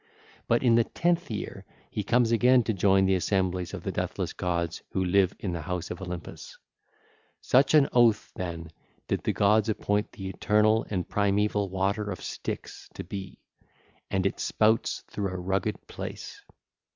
But in the tenth year he comes again to join the assemblies of the deathless gods who live in the house of Olympus. Such an oath, then, did the gods appoint the eternal and primaeval water of Styx to be: and it spouts through a rugged place.